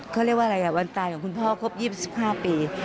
เขาเรียกว่าอะไรวันตายของคุณพ่อครบ๒๕ปี